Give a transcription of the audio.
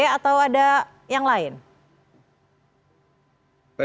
atau ada yang lain